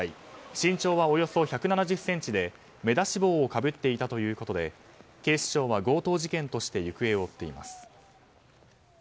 身長はおよそ１７０ｃｍで目出し帽をかぶっていたということで警視庁は強盗事件として行方を追っています。